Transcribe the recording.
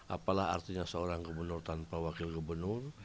apalah artinya seorang gubernur tanpa wakil gubernur